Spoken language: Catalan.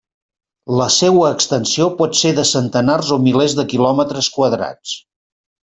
La seua extensió pot ser de centenars o milers de quilòmetres quadrats.